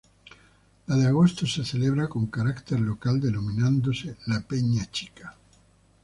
La de agosto se celebra con carácter local, denominándose ""La Peña Chica"".